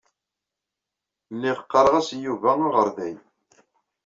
Lliɣ ɣɣareɣ-as i Yuba aɣerday.